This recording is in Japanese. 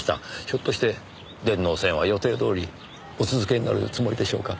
ひょっとして電脳戦は予定通りお続けになるつもりでしょうか？